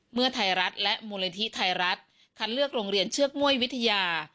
เมื่อไทยรัฐและมูลนิธิไทยรัฐคัดเลือกโรงเรียนเชือกม่วยวิทยา